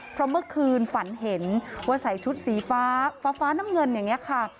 เพราะเมื่อคืนฝันเห็นว่าใส่ชุดสีฟ้าฟ้าน้ำเงินอย่างนี้ค่ะ